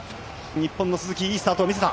日本の鈴木、いいスタートを見せた。